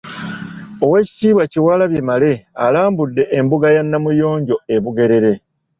Oweekitiibwa Kyewalabye Male alambudde embuga ya Namuyonjo e Bugerere.